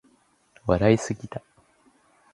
笑いすぎた